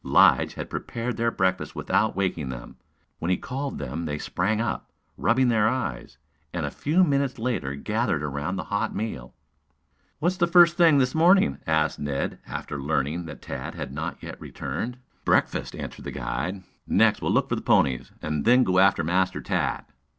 Lige had prepared their breakfast without waking them. When he called them they sprang up, rubbing their eyes, and a few minutes later gathered around the hot meal. "What is the first thing this morning?" asked Ned after learning that Tad had not yet returned. "Breakfast," answered the guide. "Next, we'll look for the ponies, then go after Master Tad."